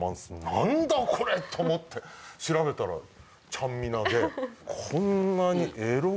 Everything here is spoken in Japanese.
何だこれ！？と思って調べたらちゃんみなで。